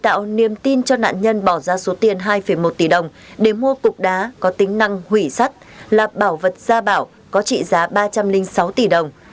nguyễn công hậu niêm tin cho nạn nhân bỏ ra số tiền hai một tỷ đồng để mua cục đá có tính năng hủy sắt là bảo vật gia bảo có trị giá ba trăm linh sáu tỷ đồng